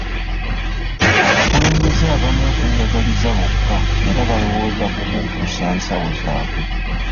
Abakulembeze abamu beeyagaliza bokka era balowooza ku kukkusa nsawo zaabwe.